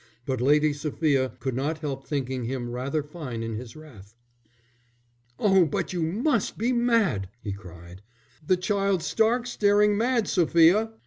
But Lady Sophia could not help thinking him rather fine in his wrath. "Oh, but you must be mad," he cried. "The child's stark, staring mad, Sophia.